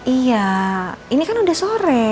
iya ini kan udah sore